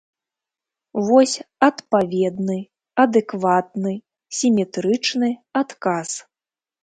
Вось адпаведны, адэкватны, сіметрычны адказ.